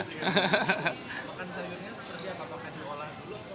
makan sayurnya seperti apa makan diolah dulu atau